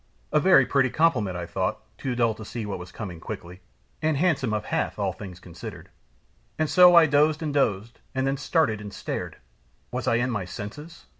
"A very pretty compliment!" I thought, too dull to see what was coming quickly, "and handsome of Hath, all things considered." And so I dozed and dozed, and then started, and stared! Was I in my senses?